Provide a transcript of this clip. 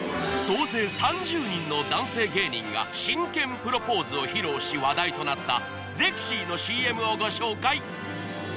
総勢３０人の男性芸人が真剣プロポーズを披露し話題となった「ゼクシィ」のＣＭをご紹介